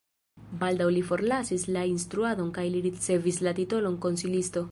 Baldaŭ li forlasis la instruadon kaj li ricevis la titolon konsilisto.